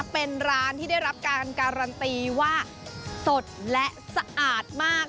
เป็นร้านที่ได้รับการการันตีว่าสดและสะอาดมาก